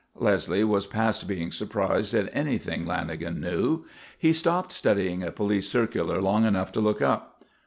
Leslie was past being surprised at anything Lanagan knew. He stopped studying a police circular long enough to look up.